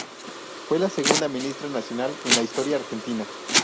Fue la segunda ministra nacional en la historia argentina.